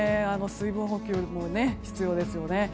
水分補給も必要ですね。